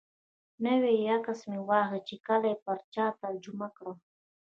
نو یو عکس مې واخیست چې کله یې پر چا ترجمه کړم.